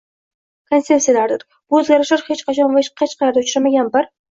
konsepsiyalardir. Bu o‘zgarishlar - hech qachon va hech qayerda uchramagan bir